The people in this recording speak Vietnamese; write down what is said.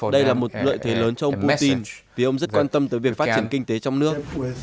đây là một lợi thế lớn cho brazil vì ông rất quan tâm tới việc phát triển kinh tế trong nước